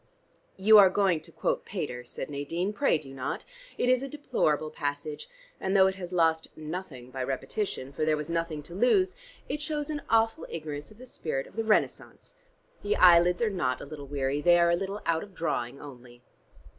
"You are going to quote Pater," said Nadine. "Pray do not: it is a deplorable passage, and though it has lost nothing by repetition for there was nothing to lose it shows an awful ignorance of the spirit of the Renaissance. The eyelids are not a little weary: they are a little out of drawing only."